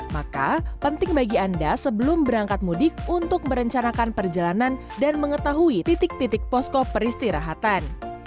maka penting bagi anda sebelum berangkat mudik untuk merencanakan perjalanan dan mengetahui titik titik posko peristirahatan